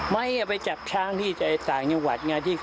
ไม่จะไปจับช้างคานั้นที่สายหญิงหวัดไง